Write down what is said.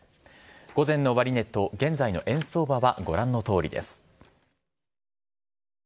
午前の終値と現在の円相場はご覧のとおりです。